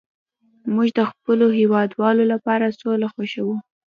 موږ د خپلو هیوادوالو لپاره سوله خوښوو